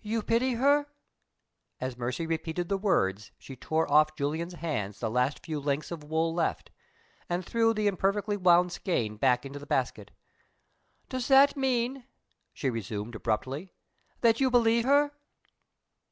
"You pity her?" As Mercy repeated the words, she tore off Julian's hands the last few lengths of wool left, and threw the imperfectly wound skein back into the basket. "Does that mean," she resumed, abruptly, "that you believe her?"